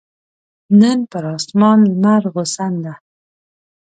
نن پر اسمان لمرغسن ده